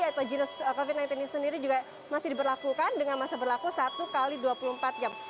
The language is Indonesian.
atau jenis covid sembilan belas ini sendiri juga masih diberlakukan dengan masa berlaku satu x dua puluh empat jam